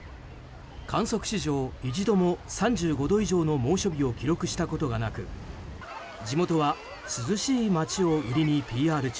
観測史上、一度も３５度以上の猛暑日を記録したことがなく地元は涼しい街を売りにＰＲ中。